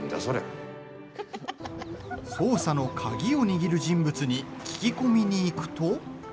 捜査の鍵を握る人物に聞き込みに行くと。